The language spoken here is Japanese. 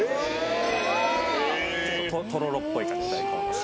とろろっぽい感じの大根おろし。